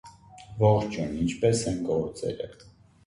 Most of miniatures were painted in watercolors on ivory.